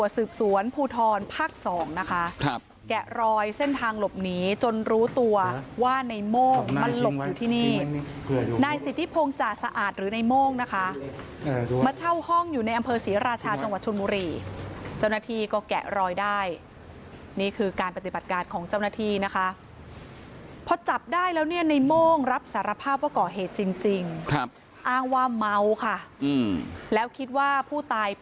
ปืนปืนปืนปืนปืนปืนปืนปืนปืนปืนปืนปืนปืนปืนปืนปืนปืนปืนปืนปืนปืนปืนปืนปืนปืนปืนปืนปืนปืนปืนปืนปืนปืนปืนปืนปืนปืนปืนปืนปืนปืนปืนปืนปืนปืนปืนปืนปืนปืนปืนปืนปืนปืนปืนปืนป